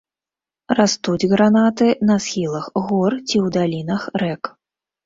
Растуць гранаты на схілах гор ці ў далінах рэк.